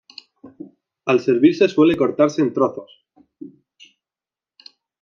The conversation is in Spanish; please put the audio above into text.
Al servirse suele cortarse en trozos.